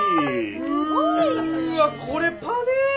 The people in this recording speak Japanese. うわっこれパネ。